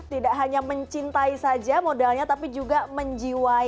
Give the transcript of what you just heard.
tidak hanya mencintai saja modalnya tapi juga menjiwai